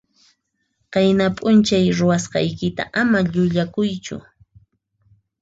Qayna p'unchay ruwasqaykita ama llullakuychu.